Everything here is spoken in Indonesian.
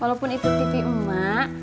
walaupun itu tipi emak